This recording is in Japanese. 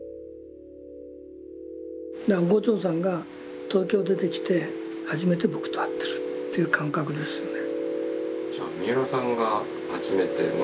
だから牛腸さんが東京出てきて初めて僕と会ってるっていう感覚ですよね。